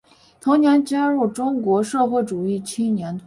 同年加入中国社会主义青年团。